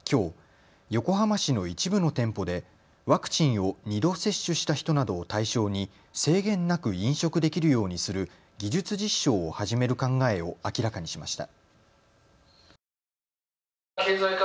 ワクチンを２度接種した人などを対象に制限なく飲食できるようにする技術実証を始める考えを明らかにしました。